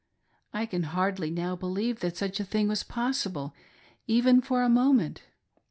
I can hardly now believe that such a thing was possible, even for a moment.